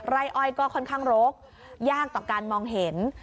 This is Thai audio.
้อ้อยก็ค่อนข้างรกยากต่อการมองเห็น